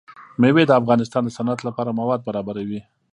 مېوې د افغانستان د صنعت لپاره مواد برابروي.